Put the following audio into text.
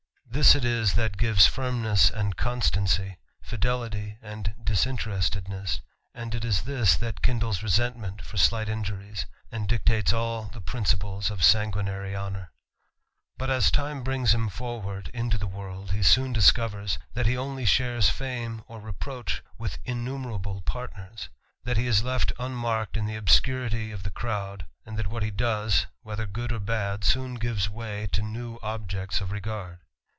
This it is that gives firmness and constancy, fidelity and disinterestedness, and it is this that kindles resentment for slight injuries, and dictates all the principles of sanguinary honour. But^s time brings him forward into the world, he soon discoyers that he only shares fame or reproach with jjamimerable parinLTs ; that he is left unmarked in the olwciirity of the crowd ; and that what he does, whether good or bad, soon gives way to new objects of regard.